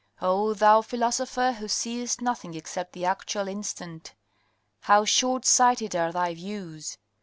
Oh thou philosopher who setst nothing except the actual instant. How short sighted are thy views